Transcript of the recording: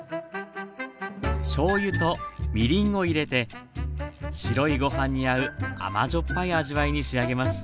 しょうゆとみりんを入れて白いご飯に合う甘じょっぱい味わいに仕上げます。